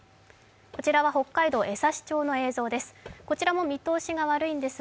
こちらは北海道・江差町の映像です